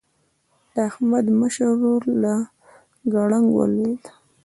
د احمد مشر ورور له ګړنګ ولوېد.